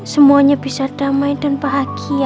semuanya bisa damai dan bahagia